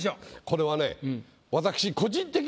これはね私。